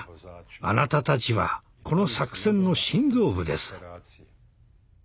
「あなたたちはこの作戦の心臓部です」。